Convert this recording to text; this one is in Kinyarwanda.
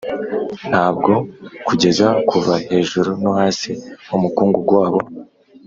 ntabwo kugeza, kuva hejuru no hasi, umukungugu wabo